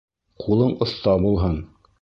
Ҡулың оҫта булһын.